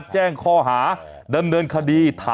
ใช่ค่ะใช่